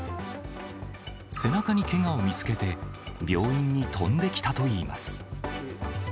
背中にけがを見つけて、病院に飛んできたといいます。